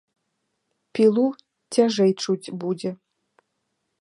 Пілу цяжэй чуць будзе.